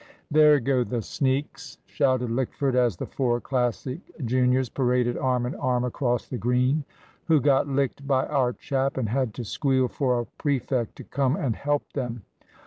"There go the sneaks," shouted Lickford, as the four Classic juniors paraded arm in arm across the Green. "Who got licked by our chap and had to squeal for a prefect to come and help them?